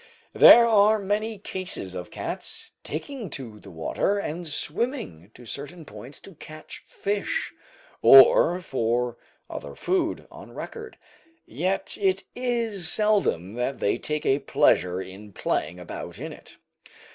There are many cases of cats taking to the water and swimming to certain points to catch fish, or for other food, on record; yet it is seldom that they take a pleasure in playing about in it.